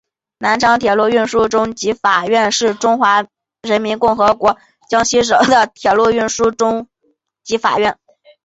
南昌铁路运输中级法院是中华人民共和国江西省的铁路运输中级法院。